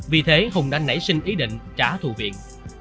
vì thế hùng đã nảy sinh ý định trả thù viện